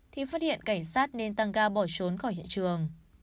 thì phát hiện cảnh sát nên tăng ga bỏ trốn khỏi hiện trường